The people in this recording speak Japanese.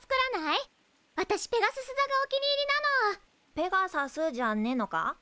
「ペガサス」じゃねえのか？